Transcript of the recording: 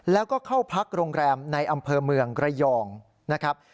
แล้วก็เข้าพักโรงแรมในอำเภอเมืองระยองนะครับ